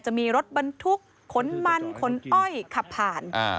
จะมีรถบรรทุกขนมันขนอ้อยขับผ่าน